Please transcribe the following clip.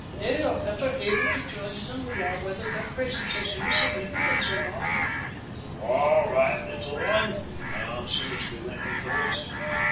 They are better able to judge than we are whether their presence has any significance or not." "All right, little one," I answered, as we went indoors.